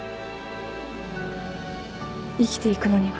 生きていくのには。